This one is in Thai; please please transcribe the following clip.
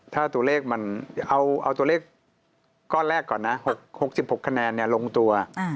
ถ้าตัวเลขมันเอาตัวเลขก้อนแรกก่อนนะ๖๖คะแนนลงตัว